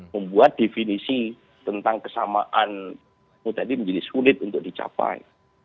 membuat definisi tentang kesamaanmu tadi menjadi sulit untuk dicapai